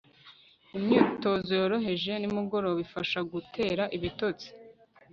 imyitozo yoroheje nimugoroba ifasha gutera ibitotsi